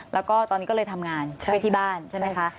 แล้วก็ตอนนี้ก็เลยทำงานไว้ที่บ้านใช่ไหมคะ